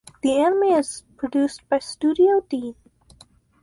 The anime is produced by Studio Deen.